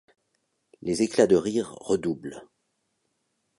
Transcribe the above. Les éclats de rire redoublent.